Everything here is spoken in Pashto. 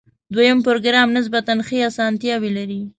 دویم پروګرام نسبتاً ښې آسانتیاوې لري.